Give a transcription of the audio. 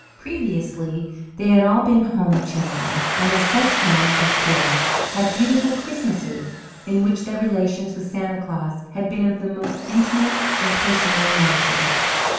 Previously they had all been home children. and as such had, of course, had beautiful Christmases, in which their relations with Santa Claus had been of the most intimate and personal nature.